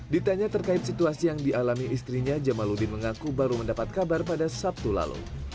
ditanya terkait situasi yang dialami istrinya jamaludin mengaku baru mendapat kabar pada sabtu lalu